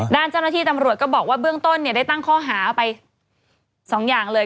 ด้านเจ้าหน้าที่ตำรวจก็บอกว่าเบื้องต้นเนี่ยได้ตั้งข้อหาไป๒อย่างเลย